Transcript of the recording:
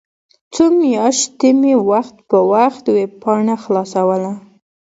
څو میاشتې مې وخت په وخت ویبپاڼه خلاصوله.